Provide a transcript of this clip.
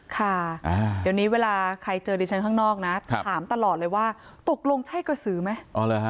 ค่ะเดี๋ยวนี้เวลาใครเจอดิฉันข้างนอกนะถามตลอดเลยว่าตกลงใช่กระสือไหม